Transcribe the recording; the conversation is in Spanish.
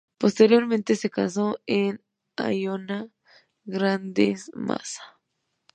Posteriormente se casó con Ainhoa Grandes Massa.